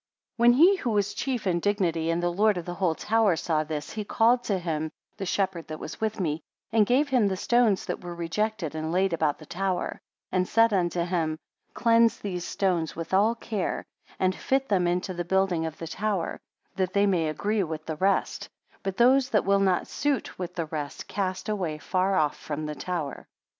57 When he who was chief in dignity, and lord of the whole tower saw this, he called to him the shepherd that was with me, and gave him the stones that were rejected and laid about the tower, and said unto him; cleanse these stones with all care, and fit them into the building of the tower, that they may agree with the rest; but those that will not suit with the rest, cast away afar off from the tower.